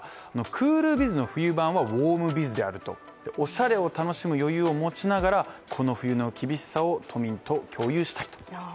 クールビズの冬版はウォームビズであるおしゃれを楽しむ余裕を持ちながらこの冬の厳しさを都民と共有したいと。